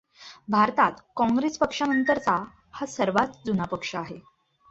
भारतात काँग्रेस पक्षानंतरचा हा सर्वात जुना पक्ष आहे.